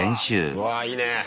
うわいいね。